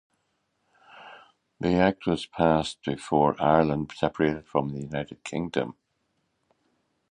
The Act was passed before Ireland separated from the United Kingdom.